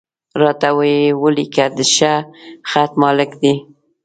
را ته یې ولیکه، د ښه خط مالک دی.